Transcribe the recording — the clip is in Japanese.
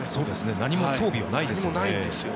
何も装備はないですね。